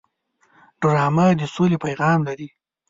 ډرامه د سولې پیغام لري